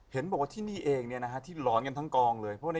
เห็นบอกว่าที่นี่เองที่หลอนกันทั้งกองเลย